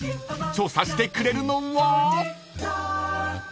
［調査してくれるのは］